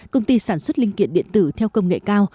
công ty sản xuất linh kiện điện tử theo công nghệ cao